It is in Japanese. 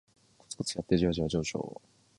コツコツやってジワジワ上昇